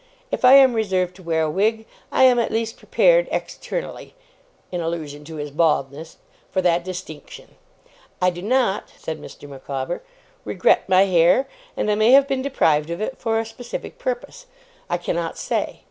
If I am reserved to wear a wig, I am at least prepared, externally,' in allusion to his baldness, 'for that distinction. I do not,' said Mr. Micawber, 'regret my hair, and I may have been deprived of it for a specific purpose. I cannot say.